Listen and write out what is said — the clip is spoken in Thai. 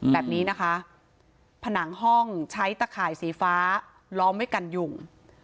แบบนี้นะคะผนังห้องใช้ตะข่ายสีฟ้าล้อมไว้กันยุง